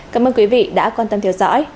cảm ơn quý vị đã quan tâm theo dõi